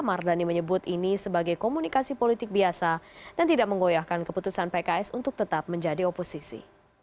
mardani menyebut ini sebagai komunikasi politik biasa dan tidak menggoyahkan keputusan pks untuk tetap menjadi oposisi